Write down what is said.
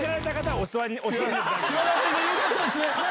島田先生よかったですね。